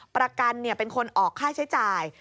ประกันเป็นคนออกค่าใช้จ่าย